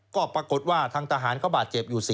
ก็ปรากฏว่าทางทหารเขาบาดเจ็บอยู่๔๐